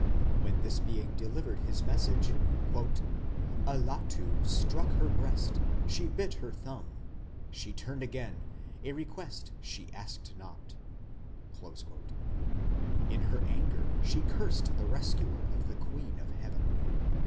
When this being delivered his message Allatu ... struck her breast; she bit her thumb, She turned again: a request she asked not. In her anger she cursed the rescuer of the Queen of Heaven.